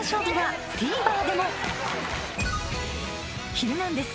『ヒルナンデス！』